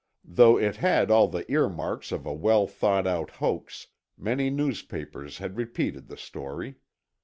Though it had all the earmarks of a well thought out hoax, many newspapers had repeated the story.